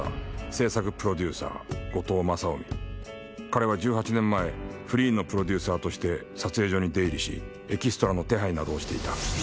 彼は１８年前フリーのプロデューサーとして撮影所に出入りしエキストラの手配などをしていた。